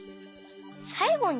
「さいごに」？